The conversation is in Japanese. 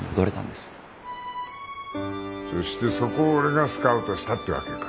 そしてそこを俺がスカウトしたってわけか。